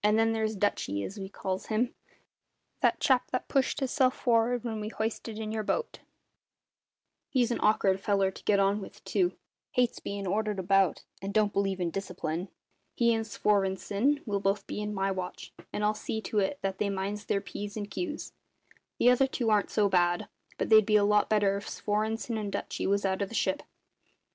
Then there's `Dutchy', as we calls him that chap that pushed hisself for'ard when we hoisted in your boat he's an awk'ard feller to get on with, too; hates bein' ordered about, and don't believe in discipline. He and Svorenssen will both be in my watch, and I'll see to it that they minds their P's and Q's. The other two aren't so bad; but they'd be a lot better if Svorenssen and Dutchy was out of the ship."